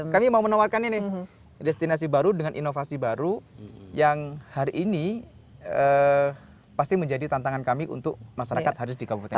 kami mau menawarkan ini destinasi baru dengan inovasi baru yang hari ini pasti menjadi tantangan kami untuk masyarakat harus di kabupaten